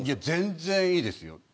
全然いいですよ。